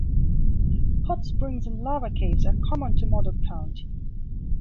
Hot Springs and lava caves are common to Modoc County.